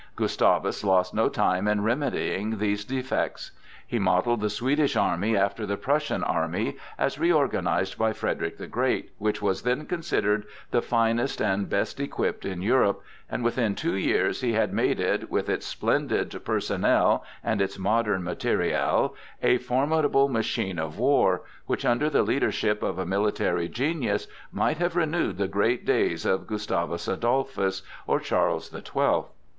Gustavus lost no time in remedying these defects. He modelled the Swedish army after the Prussian army as reorganized by Frederick the Great, which was then considered the finest and best equipped in Europe, and within two years he had made it, with its splendid personnel and its modern material, a formidable machine of war, which, under the leadership of a military genius, might have renewed the great days of Gustavus Adolphus or Charles the Twelfth.